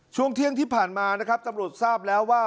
ช่วงเที่ยงที่ผ่านมานะครับตำรวจทราบแล้วว่า